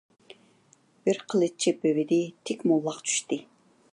بىر قىلىچ چېپىۋىدى، تىك موللاق چۈشتى.